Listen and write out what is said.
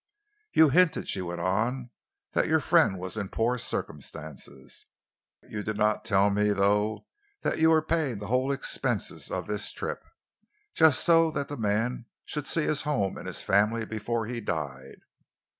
"You hinted," she went on, "that your friend was in poor circumstances. You did not tell me, though, that you were paying the whole expenses of this trip, just so that the man should see his home and his family before he died."